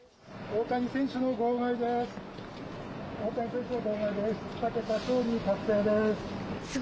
大谷選手の号外です。